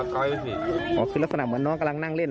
ก็มีเลยค่ะเงียบเลย